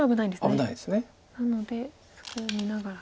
なのでそこを見ながら。